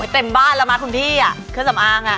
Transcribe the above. เต็มบ้านแล้วมั้ยคุณพี่เครื่องสำอาง